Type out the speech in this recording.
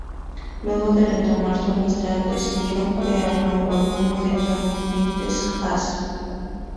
Luego de retomar su amistad, decidieron crear un nuevo álbum de Johnny Hates Jazz.